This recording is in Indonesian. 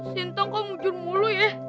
sintong kok mujun mulu ya